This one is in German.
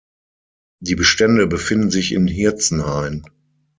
Die Bestände befinden sich in Hirzenhain.